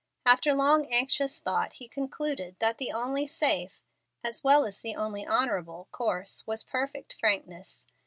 After long anxious thought, he concluded that the only safe, as well as the only honorable, course was perfect frankness.